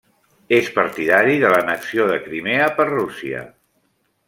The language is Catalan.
És partidari de l'annexió de Crimea per Rússia.